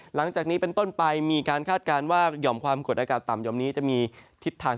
หลังจากนี้เป็นต้นไปมีการคาดการณ์ว่าหย่อมความกดอากาศต่ำหย่อมนี้จะมีทิศทาง